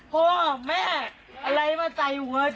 พ่อแม่อะไรมาใส่หัวฉันเนี่ย